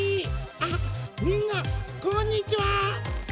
あっみんなこんにちは！